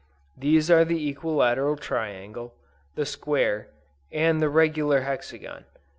These are the equilateral triangle, the square and the regular hexagon.